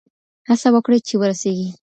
هڅه وکړئ چي ورسېږئ.